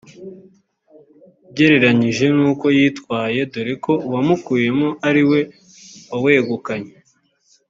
ugereranyije n’uko yitwaye dore ko uwamukuyemo ari we wawegukanye